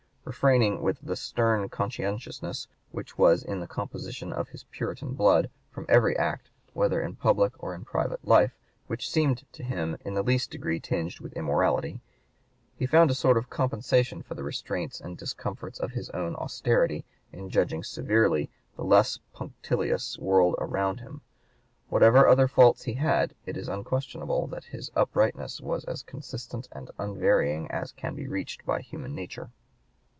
Refraining with the stern conscientiousness, which was in the composition of his Puritan blood, from every act, whether in public or in private life, which seemed to him in the least degree tinged with immorality, he found a sort of compensation for the restraints and discomforts of his own austerity in judging severely the less punctilious world around him. Whatever other faults he had, it is unquestionable that his uprightness was as consistent and unvarying as can be reached by human nature.